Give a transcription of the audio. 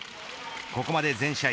ここまで全試合